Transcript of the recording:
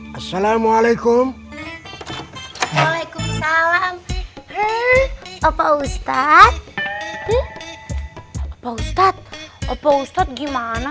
kupu kupu yang sangat gimana nih